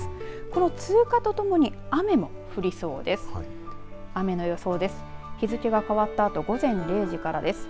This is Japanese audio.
この通過とともに雨も降りそうです。